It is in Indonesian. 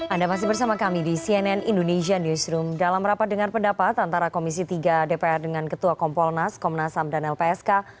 anda masih bersama kami di cnn indonesia newsroom dalam rapat dengan pendapat antara komisi tiga dpr dengan ketua kompolnas komnas ham dan lpsk